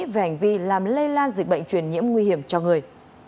về ảnh vị làm lây lan dịch bệnh truyền nhiễm nguy hiểm cho người